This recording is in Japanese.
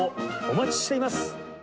お待ちしています。